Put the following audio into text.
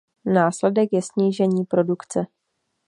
Následek je snížení produkce.